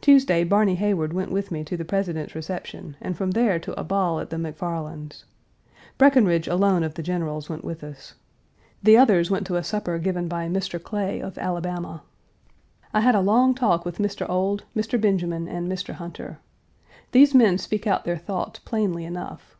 Tuesday, Barny Heyward went with me to the President's reception, and from there to a ball at the McFarlands'. Breckinridge alone of the generals went with us. The others went to a supper given by Mr. Clay, of Alabama. Page 284 I had a long talk with Mr. Ould, Mr. Benjamin, and Mr. Hunter. These men speak out their thoughts plainly enough.